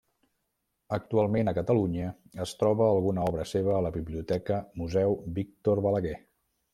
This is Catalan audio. Actualment a Catalunya es troba alguna obra seva a la Biblioteca Museu Víctor Balaguer.